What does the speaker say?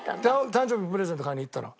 誕生日プレゼント買いに行ったの。